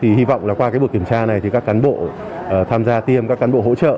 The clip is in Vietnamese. hy vọng là qua buổi kiểm tra này thì các cán bộ tham gia tiêm các cán bộ hỗ trợ